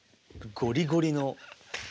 ゴリゴリ？